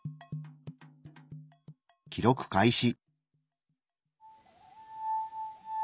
記録開始。